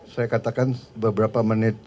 saya katakan beberapa menit